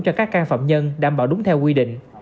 cho các can phạm nhân đảm bảo đúng theo quy định